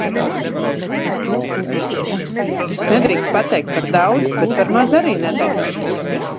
Nedrīkst pateikt par daudz, bet par maz – arī neder.